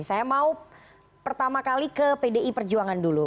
saya mau pertama kali ke pdi perjuangan dulu